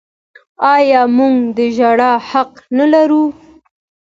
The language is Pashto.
آیا موږ د ژړا حق نلرو؟